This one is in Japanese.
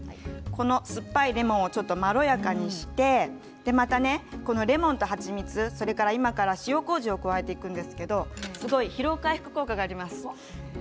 酸っぱいレモンをまろやかにしてまたレモンと蜂蜜それから今から塩こうじを加えていくんですけれども疲労回復効果があります。